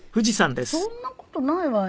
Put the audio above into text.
そんな事ないわよ。